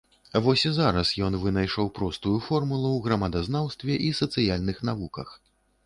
Вось і зараз ён вынайшаў простую формулу ў грамадазнаўстве і сацыяльных навуках.